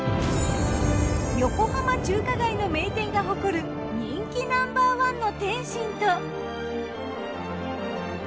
横浜中華街の名店が誇る人気Ｎｏ．１の点心と。